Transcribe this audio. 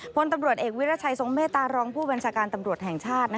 พลตำรวจเอกวิรัชัยทรงเมตตารองผู้บัญชาการตำรวจแห่งชาติ